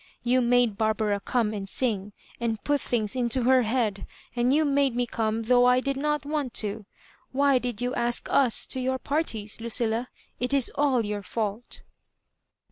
You made Barbara come and sing, and put things into her head; and you made me come, tliough I did not want ta Why did you ask us to your parties, Luoilla ? It is all your &ult